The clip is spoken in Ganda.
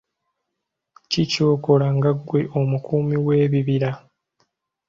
Ki ky'okola nga ggwe omukuumi w'ebibira?